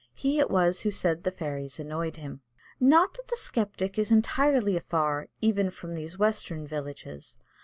He it was who said the fairies annoyed him. Not that the Sceptic is entirely afar even from these western villages.